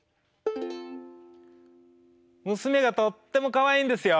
娘がとってもかわいいんですよ。